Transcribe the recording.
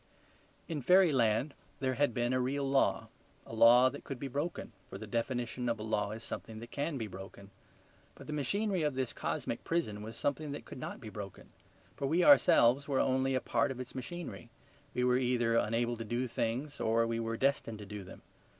In fairyland there had been a real law; a law that could be broken, for the definition of a law is something that can be broken. But the machinery of this cosmic prison was something that could not be broken; for we ourselves were only a part of its machinery. We were either unable to do things or we were destined to do them.